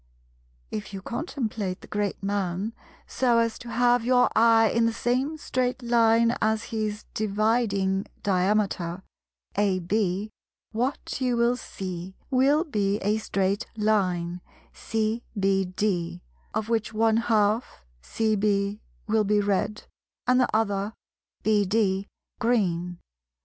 If you contemplate the Great Man so as to have your eye in the same straight line as his dividing diameter (AB), what you will see will be a straight line (CBD), of which one half (CB) will be red, and the other (BD) green.